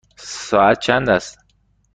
ساعت چند است؟